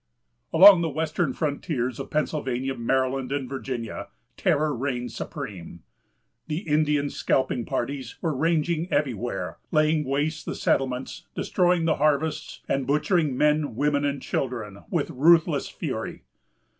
Along the Western frontiers of Pennsylvania, Maryland, and Virginia, terror reigned supreme. The Indian scalping parties were ranging everywhere, laying waste the settlements, destroying the harvests, and butchering men, women, and children, with ruthless fury.